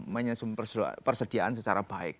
menyusun persediaan secara baik